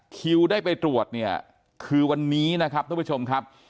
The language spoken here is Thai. คิวได้ไปตรวจเนี่ยคือวันนี้นะครับท่านผู้ชมครับ